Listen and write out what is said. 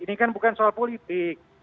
karena ini bukan soal politik